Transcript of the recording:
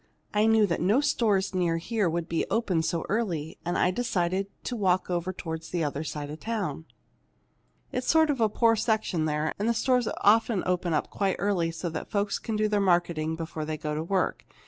I knew that no stores near here would be open so early, and I decided to walk over toward the other side of town. It's a sort of poor section there, and the stores often open up quite early, so that folks can do their marketing before they go to work.